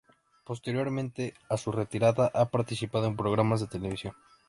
Posteriormente a su retirada ha participado en programas de televisión.